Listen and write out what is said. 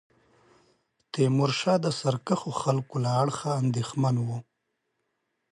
تیمورشاه د سرکښو خلکو له اړخه اندېښمن وو.